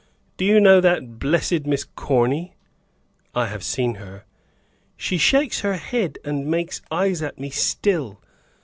Do you know that blessed Miss Corny?" "I have seen her." "She shakes her head and makes eyes at me still.